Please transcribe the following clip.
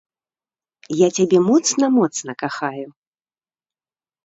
Я цябе моцна-моцна кахаю!